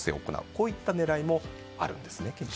こういった狙いもあるんですね。